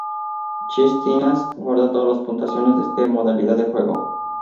Chess Titans guarda todos las puntuaciones de esta modalidad de juego.